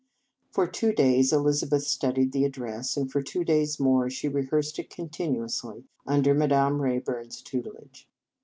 For two days Elizabeth studied the address, and for two days more she rehearsed it continuously under Ma dame Rayburn s tutelage.